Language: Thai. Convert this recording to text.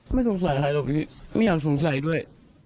ไม่สงสัยใครหรอกพี่ไม่อยากสงสัยด้วย